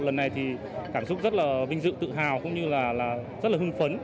lần này thì cảm xúc rất là vinh dự tự hào cũng như là rất là hưng phấn